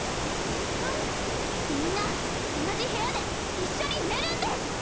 みんな同じ部屋で一緒に寝るんです！